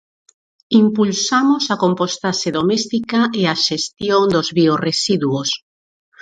Impulsamos a compostaxe doméstica e a xestión dos biorresiduos.